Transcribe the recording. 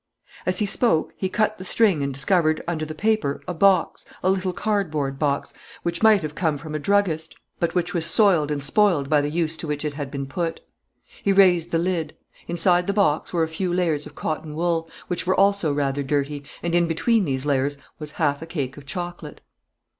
As he spoke, he cut the string and discovered, under the paper, a box, a little cardboard box, which might have come from a druggist, but which was soiled and spoiled by the use to which it had been put. He raised the lid. Inside the box were a few layers of cotton wool, which were also rather dirty, and in between these layers was half a cake of chocolate.